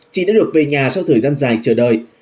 chị đã được về nhà sau thời gian dài chờ đợi